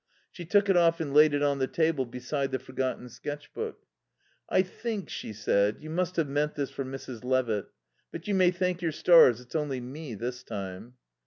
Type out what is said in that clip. She took it off and laid it on the table beside the forgotten sketch book. "I think," she said, "you must have meant this for Mrs. Levitt. But you may thank your stars it's only me, this time."